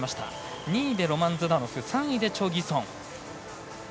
２位にロマン・ズダノフ３位でチョ・ギソン。